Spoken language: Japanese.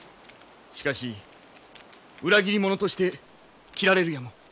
しかし裏切り者として斬られるやも。